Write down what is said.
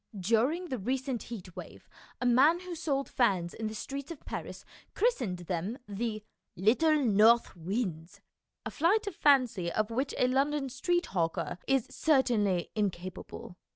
During the recent heat wave a man who sold fans in the streets of Paris christened them the " little north winds," a flight of fancy of which a London street hawker is certainly incapable.